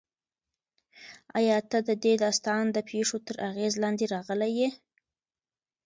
ایا ته د دې داستان د پېښو تر اغېز لاندې راغلی یې؟